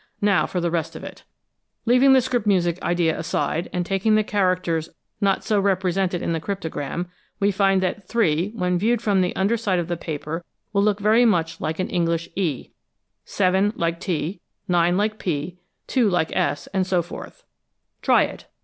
Now for the rest of it: "Leaving the script music idea aside, and taking the characters not so represented in the cryptogram, we find that '3' when viewed from the under side of the paper will look very much like an English E; 7 like T; 9 like P; 2 like S, and so forth. "Try it.